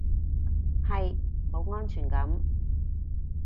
係，冇安全感